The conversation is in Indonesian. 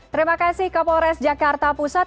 terima kasih kapolres jakarta pusat